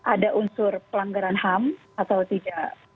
ada unsur pelanggaran ham atau tidak